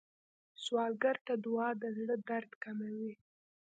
سوالګر ته دعا د زړه درد کموي